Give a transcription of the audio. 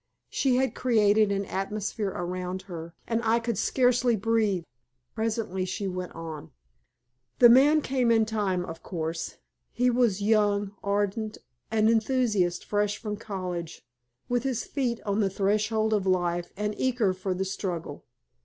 She had created an atmosphere around her, and I could scarcely breathe. Presently she went on. "The man came in time, of course. He was young, ardent, an enthusiast, fresh from college, with his feet on the threshold of life and eager for the struggle.